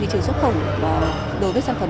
thị trường sốc khổng và đối với sản phẩm